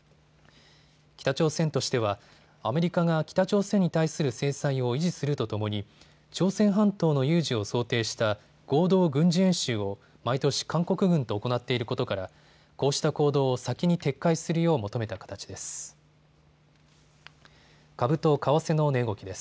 北朝鮮としてはアメリカが北朝鮮に対する制裁を維持するとともに朝鮮半島の有事を想定した合同軍事演習を毎年、韓国軍と行っていることからこうした行動を先に撤回するよう求めた形です。